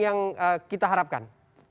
yang kita harapkan